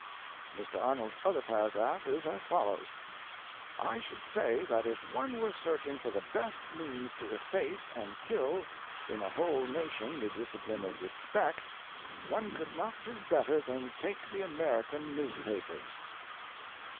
"Mr. Arnold's other paragraph is as follows: "'I should say that if one were searching for the best means to efface and kill in a whole nation the discipline of respect, one could not do better than take the American newspapers."